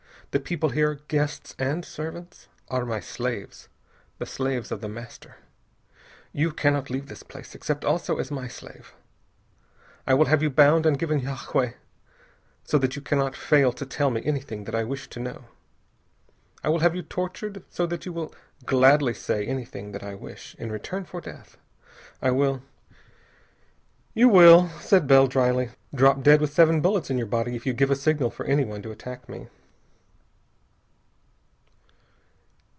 The people here guests and servants are my slaves, the slaves of The Master. You cannot leave this place except also as my slave. I will have you bound and given yagué so that you cannot fail to tell me anything that I wish to know. I will have you tortured so that you will gladly say anything that I wish, in return for death. I will " "You will," said Bell dryly, "drop dead with seven bullets in your body if you give a signal for anyone to attack me."